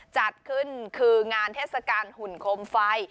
จัดขึ้นคืองานเทศกาลหุ่นโคมไฟ